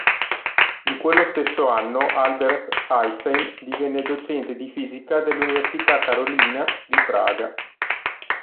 In quello stesso anno Albert Einstein divenne docente di fisica dell'Università Karolina di Praga.